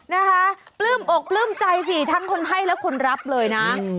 นะคะปลื้มอกปลื้มใจสิทั้งคนให้และคนรับเลยนะ